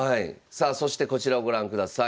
さあそしてこちらをご覧ください。